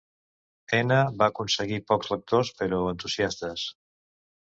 Ena va aconseguir pocs lectors, però entusiastes.